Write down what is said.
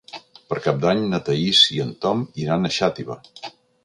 Per Cap d'Any na Thaís i en Tom iran a Xàtiva.